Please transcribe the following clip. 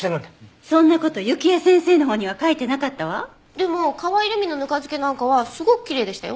でも可愛ルミのぬか漬けなんかはすごくきれいでしたよ。